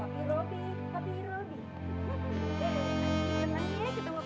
ya allah udah gue cebut dulu ya